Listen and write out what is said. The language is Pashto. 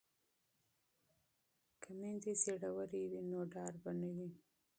که میندې زړورې وي نو ډار به نه وي.